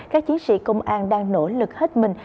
các chiến sĩ công an đang nỗ lực hết mình